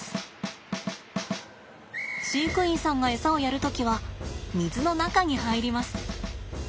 飼育員さんがエサをやる時は水の中に入ります。